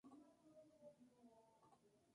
Londres: Faber and Faber.